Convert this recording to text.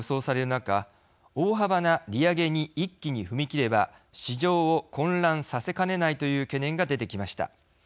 中大幅な利上げに一気に踏み切れば市場を混乱させかねないという懸念が出てきました。